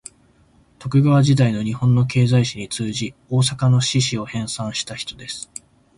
徳川時代の日本の経済史に通じ、大阪の市史を編纂した人です